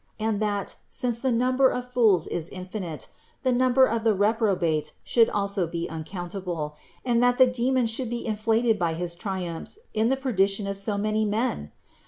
And that, since the number of fools is infinite, the number of the reprobate should also be uncountable, and that the demon should be inflated by his triumphs in the perdition of so many men?